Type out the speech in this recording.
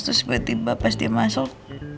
terus tiba tiba pas dia masuk